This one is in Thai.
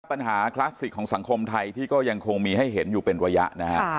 ปัญหาคลาสสิกของสังคมไทยที่ก็ยังคงมีให้เห็นอยู่เป็นระยะนะฮะ